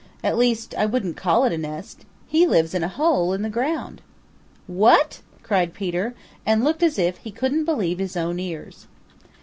At least I wouldn't call it a nest. He lives in a hole in the ground." "What!" cried Peter, and looked as if he couldn't believe his own ears.